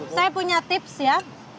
saya punya tips ya